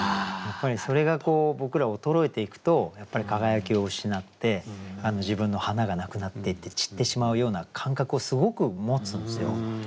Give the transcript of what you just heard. やっぱりそれが僕ら衰えていくと輝きを失って自分の花がなくなっていって散ってしまうような感覚をすごく持つんですよ。